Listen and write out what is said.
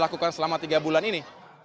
lakukan selama tiga bulan ini